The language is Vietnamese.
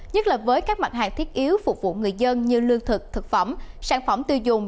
nhất là với các mặt hàng thiết yếu phục vụ người dân như lương thực thực phẩm sản phẩm tiêu dùng